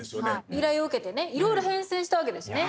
依頼を受けてねいろいろ変遷したわけですね。